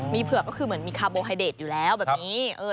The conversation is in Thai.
มีเผือกก็คือเหมือนมีคาร์โบไฮเดทอยู่แล้วแบบนี้